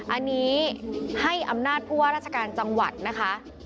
อันนี้ให้อำนาจผู้ว่าราชการจังหวัดนะคะ